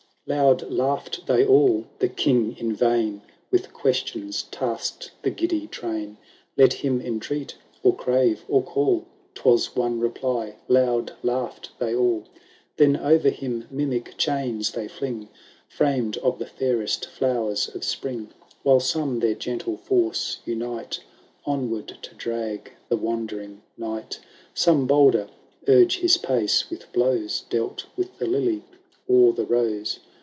XVII. Loud laughed they all,^ — the King, in vain, With questions tasked the giddy train ; Let him entreat, or crave, or call, Twas one reply, — loud laughed they all. Then o^er him mimic chains they fling. Framed of the fairest flowers of spring. While some their gentle force unite. Onward to drag the wondering knight. Some, bolder, urge his pace with blowi^ Dealt with the lily or the rose.